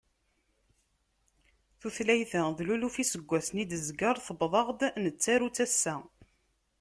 Tutlayt-a d luluf iseggasen i d-tezger, tewweḍ-aɣ-d nettaru-tt assa.